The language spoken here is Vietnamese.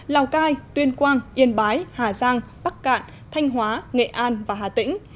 lào cai tuyên quang yên bái hà giang bắc cạn thanh hóa nghệ an và hà tĩnh